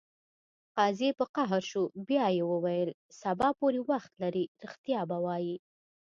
قاضي په قهر شو بیا یې وویل: سبا پورې وخت لرې ریښتیا به وایې.